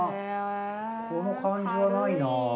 この感じはないな。